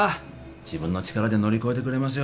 自分の力で乗り越えてくれますよ